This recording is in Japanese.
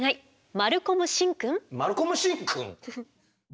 マルコム・シンくん？